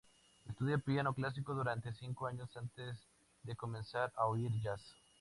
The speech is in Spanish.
Estudia piano clásico durante cinco años, antes de comenzar a oír jazz.